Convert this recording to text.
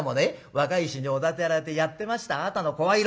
若い衆におだてられてやってましたあなたの声色。